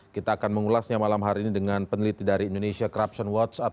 kita akan mengulasnya malam hari ini dengan peneliti dari indonesia corruption whatsapp